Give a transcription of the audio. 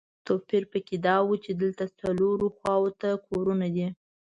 توپیر په کې دا و چې دلته څلورو خواوو ته کورونه دي.